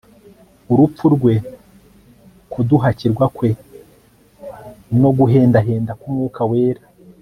urupfu rwe kuduhakirwa kwe no guhendahenda kUmwuka Wera